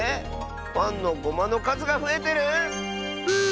パンのゴマのかずがふえてる⁉ブー！